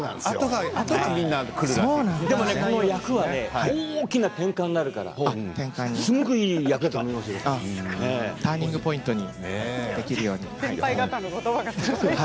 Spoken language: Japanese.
この厄は大きな転換になるからすごくいい厄だとターニングポイントにできるように。